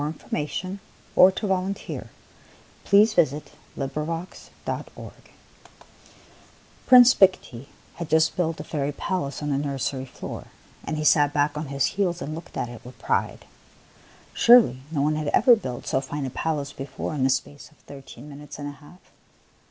The Palace on the Floor The Palace on the Floor \i pRINCE PICOTEE had just built a fairy ' A palace on the nursery floor, and he sat back on his heels and looked at it with pride. Surely, no one had ever built so fine a palace before in the space of thirteen minutes and a half!